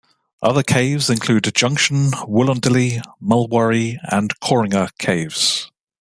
Other caves include Junction, Wollondilly, Mulwaree and Kooringa caves.